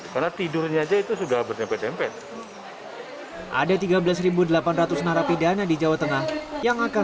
karena tidurnya aja itu sudah berjepit tempat ada tiga belas delapan ratus narapidana di jawa tengah yang akan